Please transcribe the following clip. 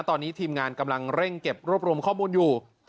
ตอนนี้ทีมงานกำลังเร่งเก็บรวบรวมข้อมูลอยู่